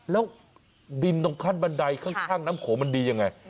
แล้วดินตรงขั้นบันไดข้างน้ำโขงมันดียังไง